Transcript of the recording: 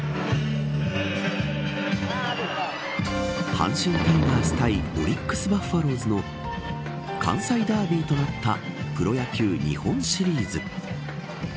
阪神タイガース対オリックスバファローズの関西ダービーとなったプロ野球日本シリーズ。